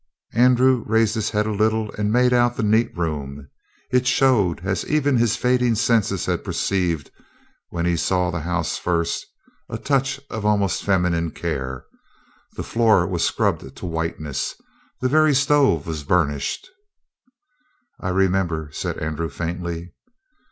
Andrew raised his head a little and made out the neat room. It showed, as even his fading senses had perceived when he saw the house first, a touch of almost feminine care. The floor was scrubbed to whiteness, the very stove was burnished. "I remember," said Andrew faintly.